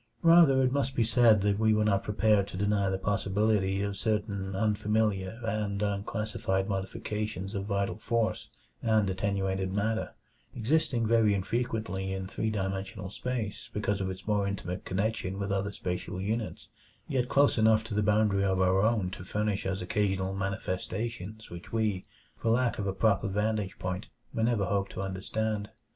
Rather must it be said that we were not prepared to deny the possibility of certain unfamiliar and unclassified modifications of vital force and attenuated matter; existing very infrequently in three dimensional space because of its more intimate connection with other spatial units, yet close enough to the boundary of our own to furnish us occasional manifestations which we, for lack of a proper vantage point, may never hope to understand.